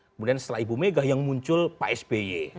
kemudian setelah ibu mega yang muncul pak sby